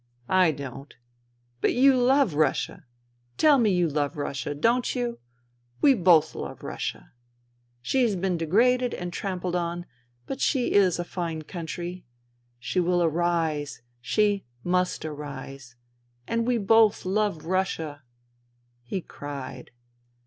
I don't. But you love Russia. Tell me you love Russia ; don't you ? We both love Russia. She's been degraded and trampled on ; but she is a fine countr3^ She will arise. She must arise. And we both love Russia." He cried.